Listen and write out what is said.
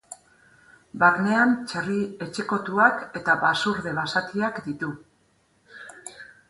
Barnean txerri etxekotuak eta basurde basatiak ditu.